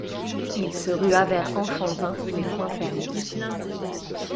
Il se rua vers Enfantin, les poings fermés.